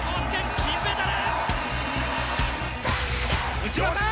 金メダル！